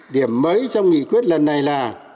điểm mới trong nghị quyết lần này là